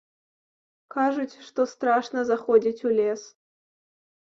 Кажуць, што страшна заходзіць у лес.